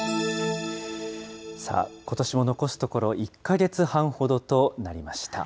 ことしも残すところ１か月半ほどとなりました。